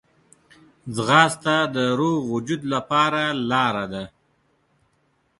ځغاسته د روغ وجود لپاره لاره ده